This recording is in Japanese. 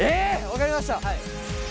分かりました。